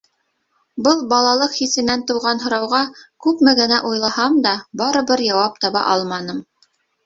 Был балалыҡ хисенән тыуған һорауға, күпме генә уйлаһам да, барыбер яуап таба алманым.